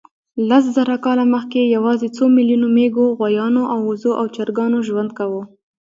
لس زره کاله مخکې یواځې څو میلیونو مېږو، غویانو، اوزو او چرګانو ژوند کاوه.